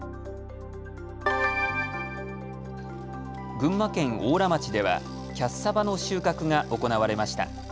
群馬県邑楽町ではキャッサバの収穫が行われました。